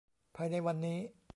ภายในวันนี้